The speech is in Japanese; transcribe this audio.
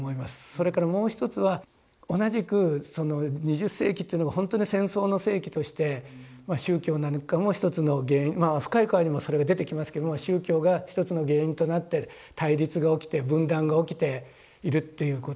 それからもう一つは同じく２０世紀っていうのがほんとに戦争の世紀としてまあ宗教なんかも一つの原因まあ「深い河」にもそれが出てきますけども宗教が一つの原因となって対立が起きて分断が起きているっていうことですね。